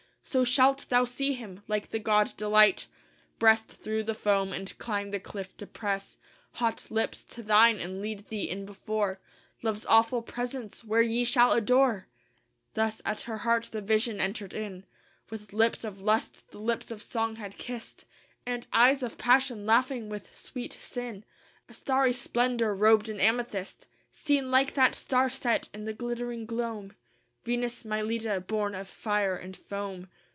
So shalt thou see him, like the god Delight, Breast through the foam and climb the cliff to press Hot lips to thine and lead thee in before Love's awful presence where ye shall adore." Thus at her heart the vision entered in, With lips of lust the lips of song had kissed, And eyes of passion laughing with sweet sin, A starry splendor robed in amethyst, Seen like that star set in the glittering gloam Venus Mylitta born of fire and foam.